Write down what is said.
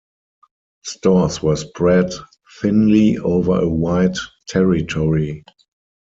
Stores were spread thinly over a wide territory.